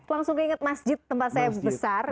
langsung keinget masjid tempat saya besar